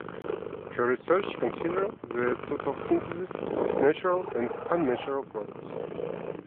Her research considers the total synthesis of natural and unnatural products.